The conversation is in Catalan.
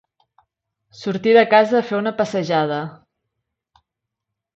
Sortir de casa a fer una passejada.